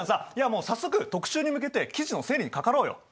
もう早速特集に向けて記事の整理にかかろうよ。